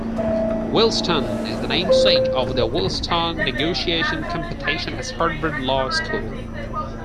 Williston is the namesake of the Williston Negotiation Competition at Harvard Law School.